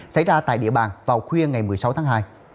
xảy ra tại địa bàn vào khuya ngày một mươi sáu tháng hai